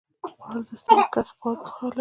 خوړل د ستړي کس قوت بحالوي